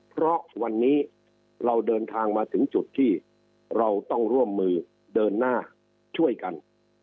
เพราะวันนี้เราเดินทางมาถึงจุดที่เราต้องร่วมมือเดินหน้าช่วยกัน